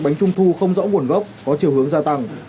bánh trung thu không rõ nguồn gốc có chiều hướng gia tăng